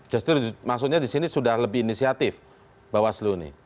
justru maksudnya disini sudah lebih inisiatif bawas slu nih